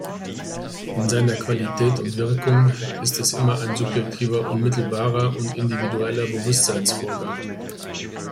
In seiner Qualität und Wirkung ist es immer ein subjektiver unmittelbarer und individueller Bewusstseinsvorgang.